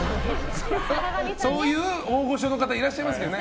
そういう大御所の方いらっしゃいますけどね。